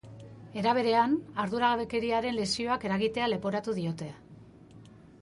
Era berean, arduragabekeriarekin lesioak eragitea leporatu diote.